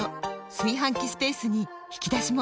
炊飯器スペースに引き出しも！